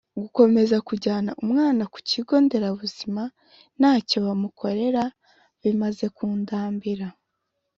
gukomeza kujyana umwana ku kigo nderabuzima ntacyo bamukorera bimaze kundambira